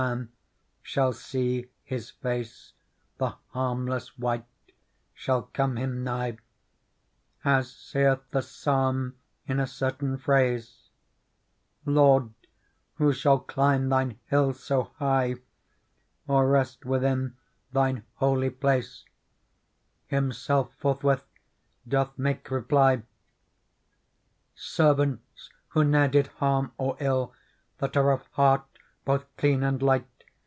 jnan shall see His face. The harmless_Mdght «hall come Him nigh : As saith the Psalm in a certain phrase, ' Lord, who shall climb Thine hill so high Or rest within Thine holy place }' Himself forthwith doth make reply :* Servants who ne'er did harm or ill. That are of heart both clean and light.